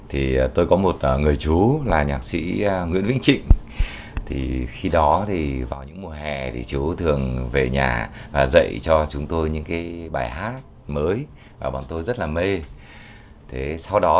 hẹn gặp lại các bạn trong những video tiếp theo